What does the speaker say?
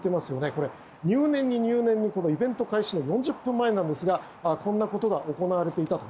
これ、入念にイベント開始の４０分前ですがこんなことが行われていたと。